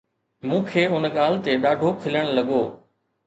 مون کي ان ڳالهه تي ڏاڍو کلڻ لڳو